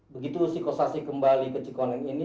begitu si gosasi kembali ke cikoneng ini